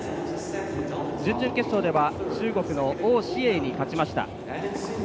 準々決勝では中国の王紫瑩に勝ちました。